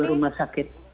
di dua rumah sakit